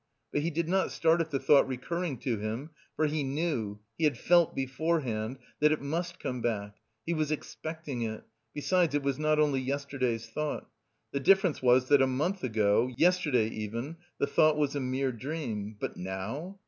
But he did not start at the thought recurring to him, for he knew, he had felt beforehand, that it must come back, he was expecting it; besides it was not only yesterday's thought. The difference was that a month ago, yesterday even, the thought was a mere dream: but now...